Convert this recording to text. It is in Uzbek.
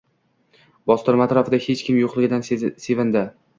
Bostirma atrofida hech kim yoʻqligidan sevindi